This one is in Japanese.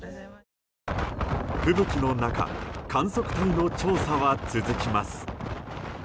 吹雪の中観測隊の調査は続きます。